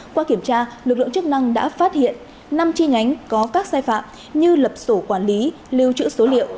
qua kiểm tra lực lượng chức năng đã phát hiện năm chi nhánh có các sai phạm như lập sổ quản lý lưu trữ số liệu